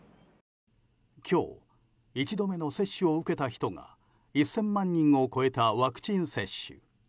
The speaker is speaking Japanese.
今日、１度目の接種を受けた人が１０００万人を超えたワクチン接種。